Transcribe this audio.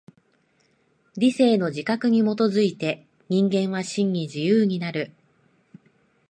理性の自覚に基づいて人間は真に自由になる。